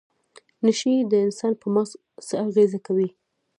نشې د انسان په مغز څه اغیزه کوي؟